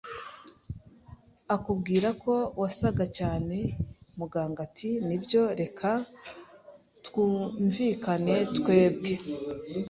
akubwira ko wasaga cyane. Muganga ati: 'Nibyo, reka twumvikane.' Twebwe